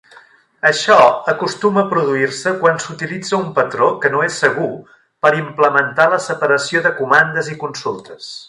Això acostuma a produir-se quan s'utilitza un patró que no és segur per implementar la separació de comandes i consultes.